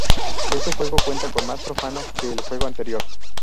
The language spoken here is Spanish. Este juego cuenta con más profano que el juego anterior.